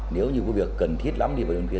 nếu như có việc cần thiết lắm đi vào đêm khuya